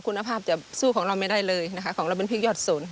คุณภาพจะสู้ของเราไม่ได้เลยนะคะของเราเป็นพริกยอดศูนย์